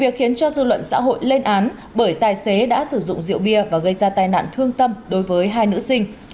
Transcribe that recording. việc khiến cho dư luận xã hội lên án bởi tài xế đã sử dụng rượu bia và gây ra tai nạn thương tâm đối với hai nữ sinh